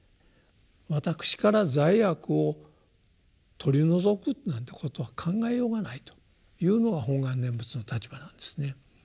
私から罪悪を取り除くなんてことは考えようがないというのが本願念仏の立場なんですね。